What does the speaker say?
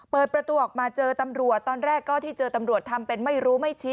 เปิดประตูออกมาเจอตำรวจตอนแรกก็ที่เจอตำรวจทำเป็นไม่รู้ไม่ชี้